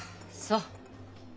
そう。